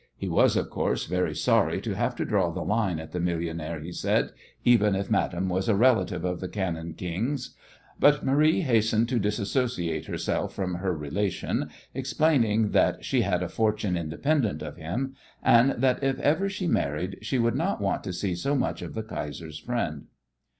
He was, of course, very sorry to have to draw the line at the millionaire, he said, even if Madame was a relative of the Cannon King's; but Marie hastened to dissociate herself from her "relation," explaining that she had a fortune independent of him, and that if ever she married she would not want to see too much of the Kaiser's friend.